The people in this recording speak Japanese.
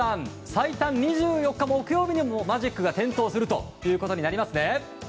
最短２４日木曜日にマジックが点灯するということですね。